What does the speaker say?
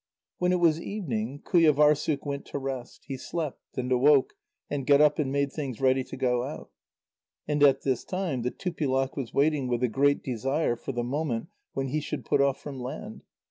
When it was evening, Qujâvârssuk went to rest. He slept, and awoke, and got up and made things ready to go out. And at this time the Tupilak was waiting with a great desire for the moment when he should put off from land.